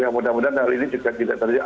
ya mudah mudahan hal ini juga tidak terjadi